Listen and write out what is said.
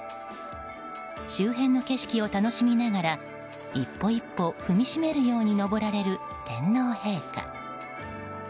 周辺の景色を楽しみながら一歩一歩踏みしめるように登られる天皇陛下。